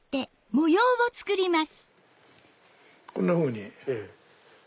こんなふうに。